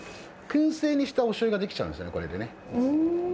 くん製にしたおしょうゆが出来ちゃうんですよね、これでね。